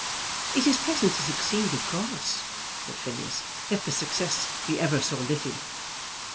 "It is pleasant to succeed, of course," said Phineas, "let the success be ever so little."